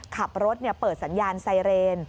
ขับรถเปิดสัญญาณไซเรน